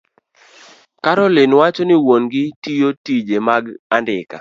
Caroline wacho ni wuon-gi tiyo tije mag andika,